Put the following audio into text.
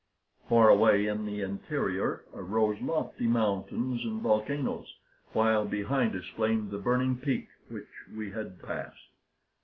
Far away in the interior arose lofty mountains and volcanoes, while behind us flamed the burning peak which we had passed.